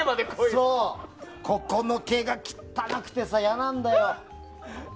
ここの毛が汚くてさ、嫌なんだよ。